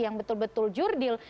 yang betul betul jurdil